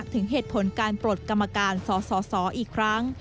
ถึงเหตุผลการปลดกรรมการสสอีกครั้ง